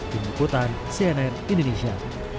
tim ikutan cnn indonesia